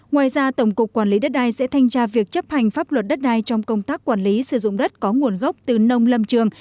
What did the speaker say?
ngoài ra tổng cục quản lý đất đai sẽ thanh tra việc chấp hành pháp luật đất đai trong công tác quản lý sử dụng đất có nguồn gốc từ nông lâm trường